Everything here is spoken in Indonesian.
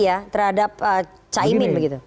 ya terhadap caimin begitu